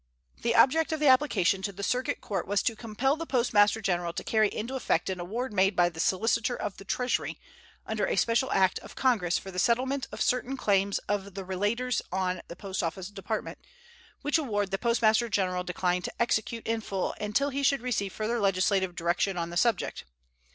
The object of the application to the circuit court was to compel the Postmaster General to carry into effect an award made by the Solicitor of the Treasury, under a special act of Congress for the settlement of certain claims of the relators on the Post Office Department, which award the Postmaster General declined to execute in full until he should receive further legislative direction on the subject.